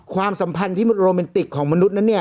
ความสัมพันธ์ที่มันโรเมนติกของมนุษย์นั้น